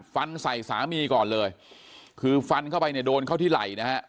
ฟันใส่สามีก่อนเลยคือฟันเข้าไปเนี่ยโดนเข้าที่ไหล่นะฮะ